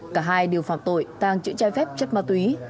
cả hai đều phạm tội tăng chữ chai phép chất ma túy